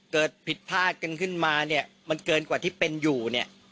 เกิดผิดพลาดกันขึ้นมาเนี่ยมันเกินกว่าที่เป็นอยู่เนี่ย